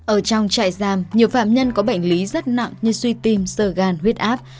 ở trong trại giam nhiều phạm nhân có bệnh lý rất nặng như suy tim sờ gan huyết ác